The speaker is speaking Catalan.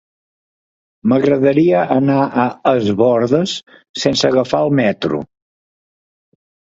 M'agradaria anar a Es Bòrdes sense agafar el metro.